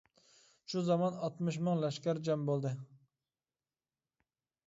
شۇ زامان ئاتمىش مىڭ لەشكەر جەم بولدى.